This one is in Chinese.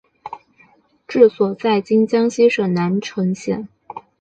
治所在今江西省南城县。